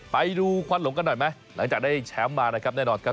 ไปดูควันหลงกันหน่อยไหมหลังจากได้แชมป์มานะครับแน่นอนครับ